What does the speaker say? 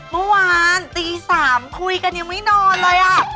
เมื่อวานตี๓คุยกันยังไม่นอนเลยอ่ะ